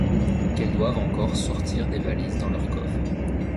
qu'elles doivent encore sortir des valises dans leurs coffres.